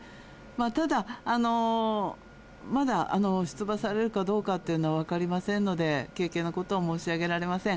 ただ、まだ出馬されるかどうかっていうのは分かりませんので、軽々なことは申し上げられません。